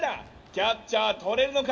キャッチャーとれるのか？